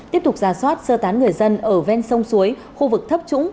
tiếp tục ra soát sơ tán người dân ở ven sông suối khu vực thấp trũng